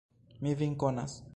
Mi vin konas.